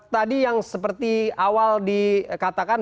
tadi yang seperti awal dikatakan